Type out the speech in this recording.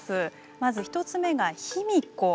まず一つ目が卑弥呼。